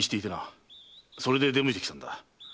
それで出向いてきたのだ。